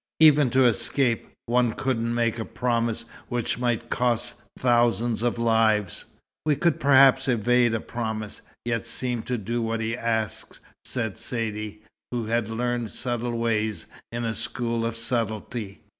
Even to escape, one couldn't make a promise which might cost thousands of lives." "We could perhaps evade a promise, yet seem to do what he asked," said Saidee, who had learned subtle ways in a school of subtlety.